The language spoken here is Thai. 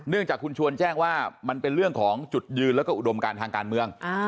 จากคุณชวนแจ้งว่ามันเป็นเรื่องของจุดยืนแล้วก็อุดมการทางการเมือง